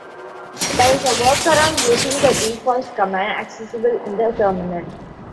There is a workaround using the defaults command accessible in the Terminal.